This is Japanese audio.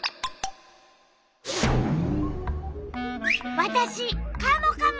わたしカモカモ！